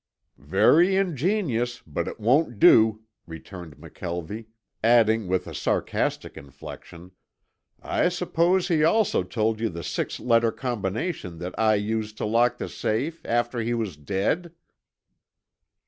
"Very ingenious, but it won't do," returned McKelvie, adding with a sarcastic inflection, "I suppose he also told you the six letter combination that I used to lock the safe after he was dead?"